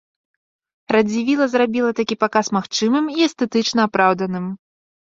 Радзівіла зрабіла такі паказ магчымым і эстэтычна апраўданым.